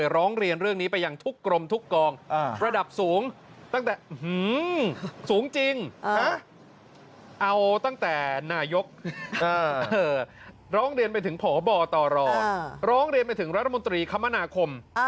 ร้องเรียนไปถึงรัฐมนตรีคมนาคม